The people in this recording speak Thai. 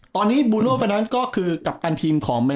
ตอนนี้บรูโน่เพราะงั้นก็คือกำกันทีมของ๑๒๘